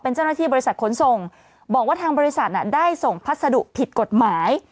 เจ้าหน้าที่บริษัทขนส่งบอกว่าทางบริษัทได้ส่งพัสดุผิดกฎหมาย